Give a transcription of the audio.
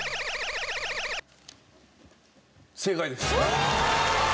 正解です。